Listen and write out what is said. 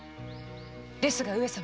ですが上様。